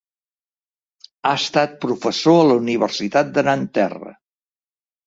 Ha estat professor a la Universitat de Nanterre.